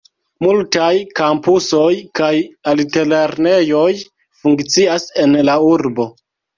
Multaj kampusoj kaj altlernejoj funkcias en la urbo.